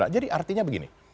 jadi artinya begini